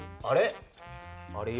あれ？